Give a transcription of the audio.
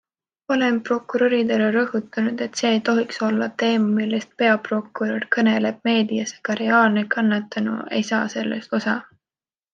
Olen prokuröridele rõhutanud, et see ei tohiks olla teema, millest peaprokurör kõneleb meedias, aga reaalne kannatanu ei saa sellest osa.